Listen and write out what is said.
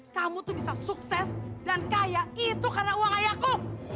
kamu tuh bisa sukses dan kaya itu karena uang ayahku